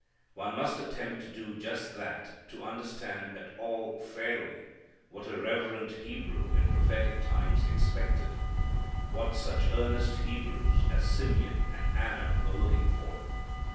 One must attempt to do just that to understand at all fairly what a reverent Hebrew in prophetic times expected; what such earnest Hebrews as Simeon and Anna were looking for.